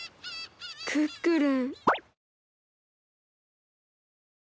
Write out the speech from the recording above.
クックルン。